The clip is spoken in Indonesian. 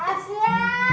ada dimana clara